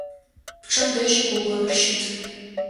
Пчъэм дэжь гогоныр щыт.